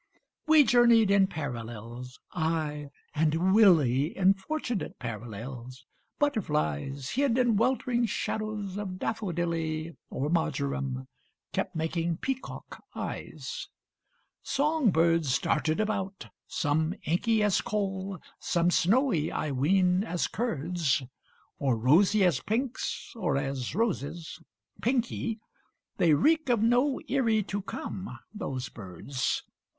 We journeyed in parallels, I and Willie, In fortunate parallels! Butterflies, Hid in weltering shadows of daffodilly Or marjoram, kept making peacock eyes: Song birds darted about, some inky As coal, some snowy, I ween, as curds; (Or rosy as pinks, or as roses pinky ) They reek of no eerie To come, those birds!